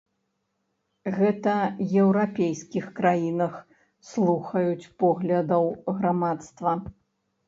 Гэта еўрапейскіх краінах слухаюць поглядаў грамадства.